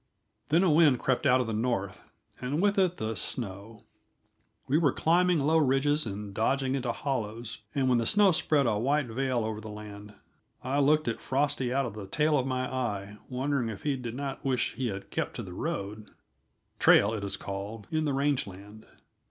Then a wind crept out of the north, and with it the snow. We were climbing low ridges and dodging into hollows, and when the snow spread a white veil over the land, I looked at Frosty out of the tail of my eye, wondering if he did not wish he had kept to the road trail, it is called in the rangeland.